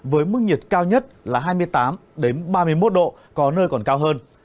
với mức nhiệt cao nhất là hai mươi tám ba mươi một độ có nơi còn cao hơn